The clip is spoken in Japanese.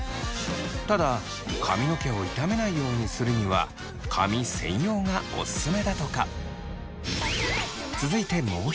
ただ髪の毛を傷めないようにするには髪専用がおすすめだとか。